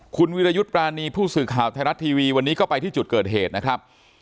คุณวิรยุทธ์ปรานีผู้สื่อข่าวไทยรัฐทีวีวันนี้ก็ไปที่จุดเกิดเหตุนะครับ